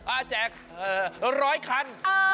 อ่าแจกเอ่อร้อยคัน